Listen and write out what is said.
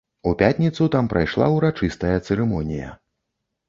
У пятніцу там прайшла ўрачыстая цырымонія.